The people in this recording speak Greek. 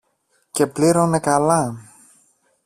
Και πλήρωνε καλά.